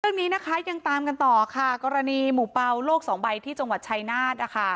เรื่องนี้นะคะยังตามกันต่อค่ะกรณีหมู่เปล่าโลกสองใบที่จังหวัดชายนาฏ